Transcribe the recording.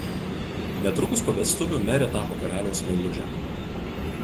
Netrukus po vestuvių Merė tapo karaliaus meiluže.